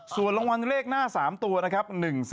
ส่วนรางวัลเลขหน้า๓ตัวนะครับ